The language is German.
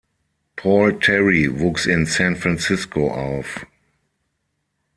Paul Terry wuchs in San Francisco auf.